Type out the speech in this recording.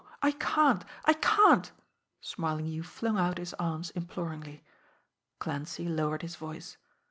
I can't! I can't!" Smarlinghue flung out his arms imploringly. Clancy lowered his voice.